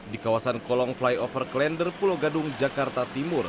di kawasan kolong flyover klender pulau gadung jakarta timur